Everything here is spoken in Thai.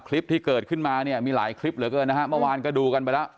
คลิปที่เกิดขึ้นมาเนี่ยมีหลายคลิปเหลือเกินนะฮะเมื่อวานก็ดูกันไปแล้ว